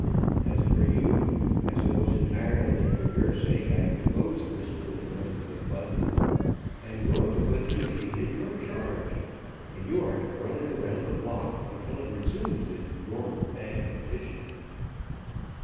As for you, as it was entirely for your sake I proposed this little run to the Club, I am going to put the machine in your charge, and you are to run it around the block until it resumes its normal bad condition.